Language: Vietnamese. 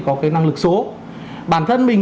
có cái năng lực số bản thân mình